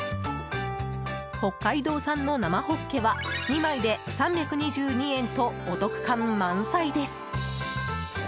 北海道産の生ホッケは２枚で３２２円とお得感満載です。